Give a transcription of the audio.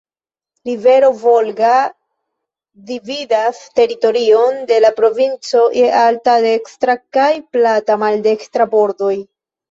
Rivero Volga dividas teritorion de la provinco je alta dekstra kaj plata maldekstra bordoj.